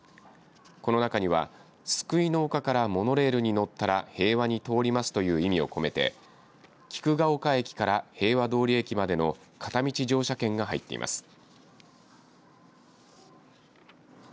この中には救いの丘からモノレールに乗ったら平和に通りますという意味を込めて、企救丘駅から平和通駅までの片道乗車券が入っています。